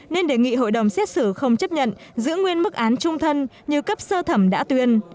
nên đề nghị hội đồng xét xử không chấp nhận giữ nguyên mức án trung thân như cấp sơ thẩm đã tuyên